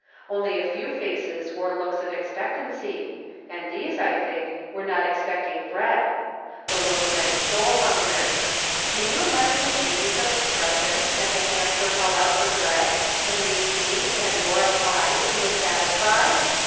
Only a few faces wore looks of ex pectancy, and these, I think, were not exi)ecting hread ; the look meant soul hunger, ('nn vou imagine the changes of expression, as the hands were held out f'/r bread, aiul received, and more ap[)lie(l, and were satisfied?